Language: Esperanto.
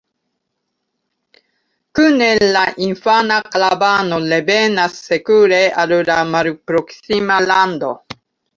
Kune la infana karavano revenas sekure al la malproksima lando.